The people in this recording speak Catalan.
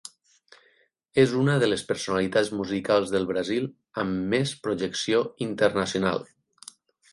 És una de les personalitats musicals del Brasil amb més projecció internacional.